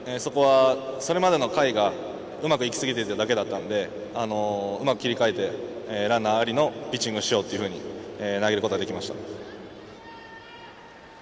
それまでの回がうまくいきすぎていただけなのでうまく切り替えてランナーありのピッチングをしようと投げることができました。